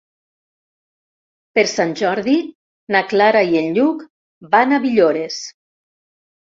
Per Sant Jordi na Clara i en Lluc van a Villores.